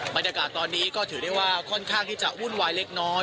บรรยากาศตอนนี้ก็ถือได้ว่าค่อนข้างที่จะวุ่นวายเล็กน้อย